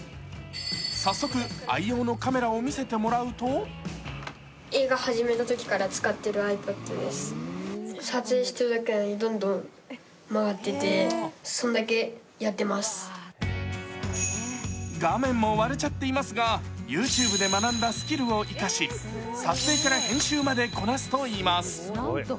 早速、愛用のカメラを見せてもらうと画面も割れちゃっていますがＹｏｕＴｕｂｅで学んだスキルを生かし撮影から編集までこなすといいます。